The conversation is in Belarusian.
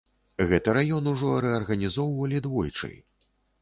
Гэты раён ужо рэарганізоўвалі двойчы.